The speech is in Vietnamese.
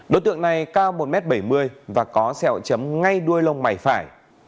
đối tượng này cao một m bảy mươi và có xeo chấm ngay đuôi lông mảy phải